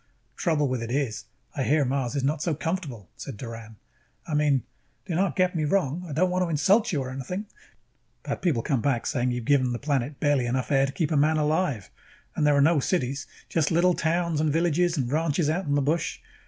"Trouble with it is, I hear Mars is not so comfortable," said Doran. "I mean, do not get me wrong, I don't want to insult you or anything, but people come back saying you have given the planet just barely enough air to keep a man alive. And there are no cities, just little towns and villages and ranches out in the bush.